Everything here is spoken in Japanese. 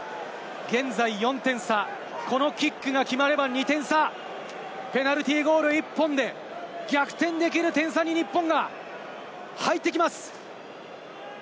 現在４点差、このキックが決まれば２点差、ペナルティーゴール１本で逆転できる点差に日本が入ってきます。